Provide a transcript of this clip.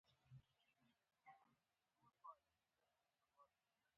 شېخ ملي يو پوه او مستانه سړی وو.